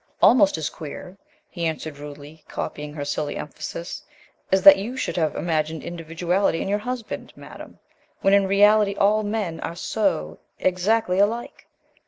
"Almost as queer," he answered rudely, copying her silly emphasis, "as that you should have imagined individuality in your husband, Madame, when in reality all men are so exactly alike!"